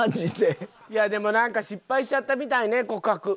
いやでもなんか失敗しちゃったみたいね告白。